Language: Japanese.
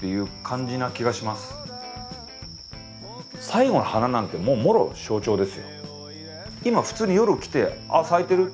最後の花なんてもろ象徴ですよ。